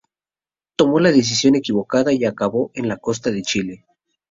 Tomó la decisión equivocada y acabó en la costa de Chile.